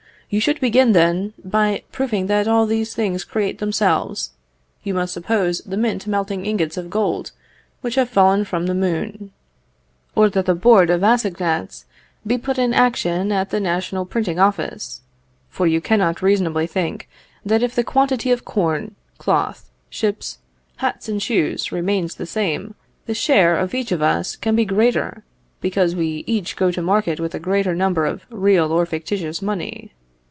You should begin, then, by proving that all these things create themselves; you must suppose the Mint melting ingots of gold which have fallen from the moon; or that the Board of Assignats be put in action at the national printing office; for you cannot reasonably think that if the quantity of corn, cloth, ships, hats and shoes remains the same, the share of each of us can be greater, because we each go to market with a greater number of real or fictitious money.